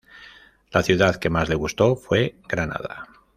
La ciudad que más le gustó fue Granada.